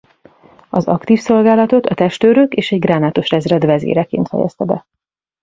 Az aktív szolgálatot a testőrök és egy gránátos ezred vezéreként fejezte be.